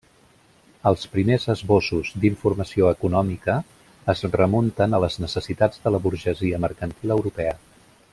Els primers esbossos d'informació econòmica es remunten a les necessitats de la burgesia mercantil europea.